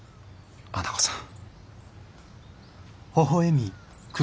花子さん。